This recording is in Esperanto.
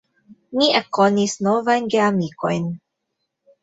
Ni ekkonis novajn geamikojn.